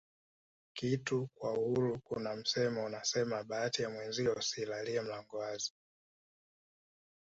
kitu kwa uhuru Kuna msemo unasema bahati ya mwenzio usilalie mlango wazi